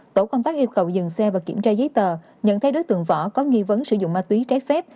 tổ công tác yêu cầu dừng xe và kiểm tra giấy tờ nhận thấy đối tượng võ có nghi vấn sử dụng ma túy trái phép